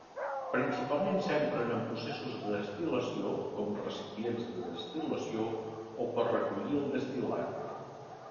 Principalment s'empren en processos de destil·lació com recipients de destil·lació o per recollir el destil·lat.